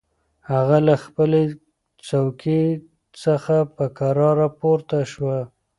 هغه له خپلې څوکۍ څخه په کراره پورته شوه.